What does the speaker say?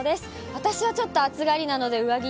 私はちょっと暑がりなので上着